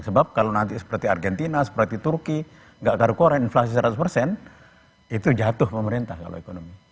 sebab kalau nanti seperti argentina seperti turki nggak taruh koren inflasi seratus persen itu jatuh pemerintah kalau ekonomi